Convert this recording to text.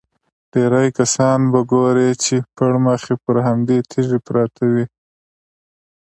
ډېری کسان به ګورې چې پړمخې پر همدې تیږې پراته وي.